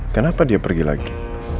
kenapa dia pergi lagi